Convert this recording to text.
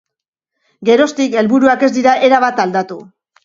Geroztik, helburuak ez dira erabat aldatu.